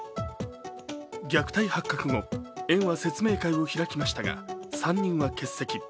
虐待発覚後、園は説明会を開きましたが３人は欠席。